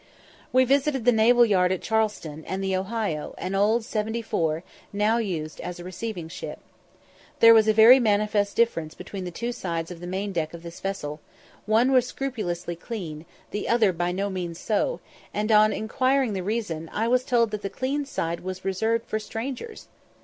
We visited the naval yard at Charlestown, and the Ohio, an old seventy four, now used as a receiving ship. There was a very manifest difference between the two sides of the main deck of this vessel; one was scrupulously clean, the other by no means so; and, on inquiring the reason, I was told that the clean side was reserved for strangers!